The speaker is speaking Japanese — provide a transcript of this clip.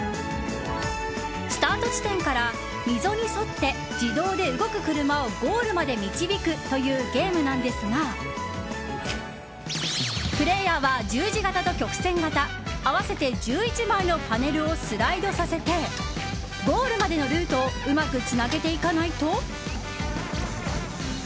スタート地点から溝に沿って自動で動く車をゴールまで導くというゲームなんですがプレーヤーは、十字形と曲線形合わせて１１枚のパネルをスライドさせてゴールまでのルートをうまくつなげていかないと。